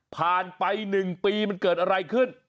ผ่านไป๑ปีมันเกิดอะไรขึ้น